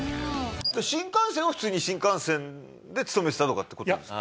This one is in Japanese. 新幹線は普通に新幹線で勤めてたとかって事ですか？